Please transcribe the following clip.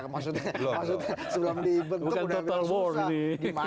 maksudnya sebelum dibentuk udah bilang susah